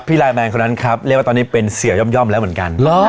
พี่ไลน์แมนคนนั้นครับเรียกว่าตอนนี้เป็นเสี่ยวย่อมย่อมแล้วเหมือนกันเหรอ